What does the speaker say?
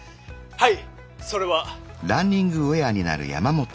はい。